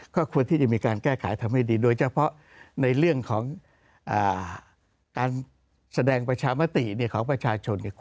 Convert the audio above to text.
ก็ควรที่จะมีการแก้ไขทำให้ดีโดยเฉพาะในเรื่องของการแบรนด์แสดงประชาติเนี่ยของประชาชนควรที่จะ